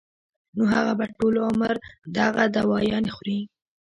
نو هغه به ټول عمر دغه دوايانې خوري